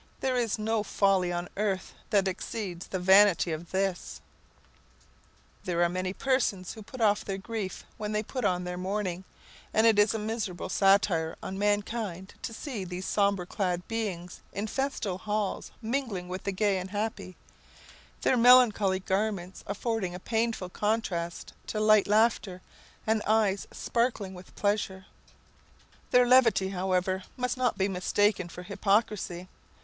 there is no folly on earth that exceeds the vanity of this! There are many persons who put off their grief when they put on their mourning, and it is a miserable satire on mankind to see these somber clad beings in festal halls mingling with the gay and happy, their melancholy garments affording a painful contrast to light laughter, and eyes sparkling with pleasure. Their levity, however, must not be mistaken for hypocrisy.